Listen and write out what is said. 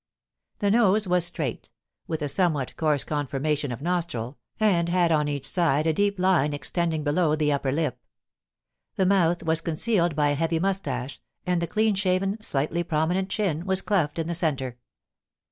The nose was straight, with a somewhat coarse conformation of nostril, and had on each side a deep line extending below the upper lip. The mouth was concealed by a heavy mous tache, and the clean shaven, slightly prominent chin was cleft in the centre.